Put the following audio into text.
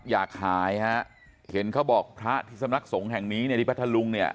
อยากหายฮะเห็นเขาบอกพระที่สำนักสงฆ์แห่งนี้เนี่ยที่พัทธลุงเนี่ย